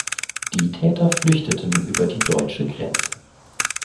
Die Täter flüchteten über die deutsche Grenze.